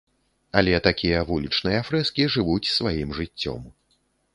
Але такія вулічныя фрэскі жывуць сваім жыццём.